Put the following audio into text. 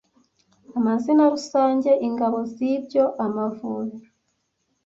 Amazina rusange - Ingabo zibyo Amavubi